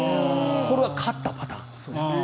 これは勝ったパターンです。